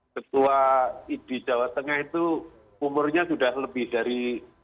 ketua idi jawa tengah itu umurnya sudah lebih dari